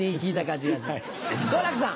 好楽さん。